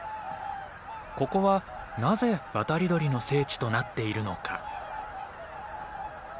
ここはなぜ渡り鳥の聖地となっているのか。